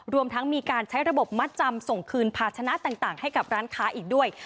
รวมทั้งมีการใช้ระบบมัดจำส่งคืนภาชนะต่างให้กับร้านค้าอีกด้วย